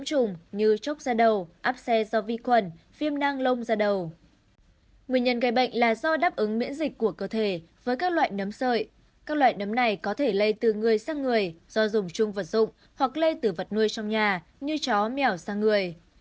các loại nấm này có thể lây từ người sang người do dùng chung vật dụng hoặc lây từ vật nuôi trong nhà như chó mèo sang người